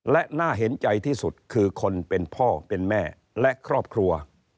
และน่าเห็นใจที่สุดคือคนเป็นพ่อเป็นแม่และครอบครัว